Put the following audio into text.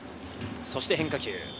そして変化球。